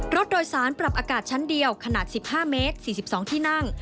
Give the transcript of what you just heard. รถโดยสารปรับอากาศชั้นเดียวขนาด๑๕เมตร๔๒ที่นั่ง